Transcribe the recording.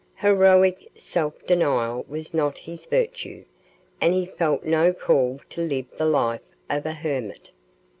Heroic self denial was not his virtue, and he felt no call to live the life of a hermit.